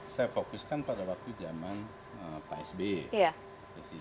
saya fokuskan pada waktu zaman pak sby